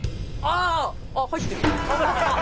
あっ入ってる。